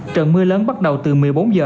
trận mưa lớn bắt đầu từ một mươi bốn h